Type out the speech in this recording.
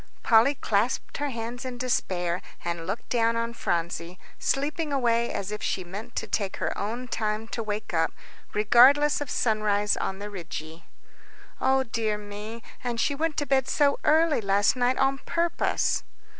Polly clasped her hands in despair, and looked down on Phronsie, sleeping away as if she meant to take her own time to wake up, regardless of sunrise on the Rigi. "O dear me, and she went to bed so early last night on purpose."